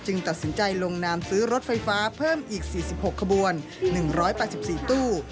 ตัดสินใจลงนามซื้อรถไฟฟ้าเพิ่มอีก๔๖ขบวน๑๘๔ตู้